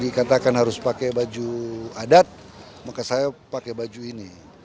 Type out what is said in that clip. dikatakan harus pakai baju adat maka saya pakai baju ini